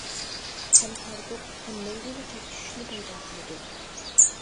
ھەم تارتۇق ۋە مەڭگۈلۈك چاچ چۈشۈشنى پەيدا قىلىدۇ.